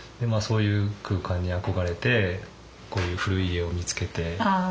そういう空間に憧れてこういう古い家を見つけて。